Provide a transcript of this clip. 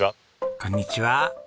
こんにちは。